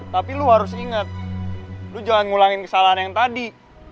tapi lo harus ingat lo jangan ngulangin kesalahan yang tadi